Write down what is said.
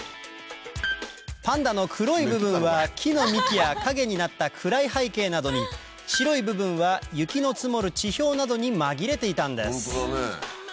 パンダの黒い部分は木の幹や影になった暗い背景などに白い部分は雪の積もる地表などに紛れていたんです